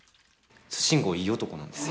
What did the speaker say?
慎吾いい男なんです。